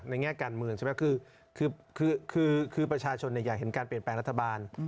แง่การเมืองใช่ไหมคือประชาชนอยากเห็นการเปลี่ยนแปลงรัฐบาล